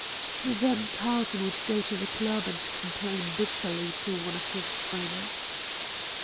Then Carlton would go to the club and complain bitterly to one of his friends.